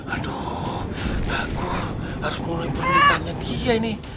aduh aku harus menunggu permintaannya dia nih